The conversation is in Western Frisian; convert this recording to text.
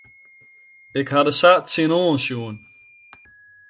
Ik ha der sa tsjinoan sjoen.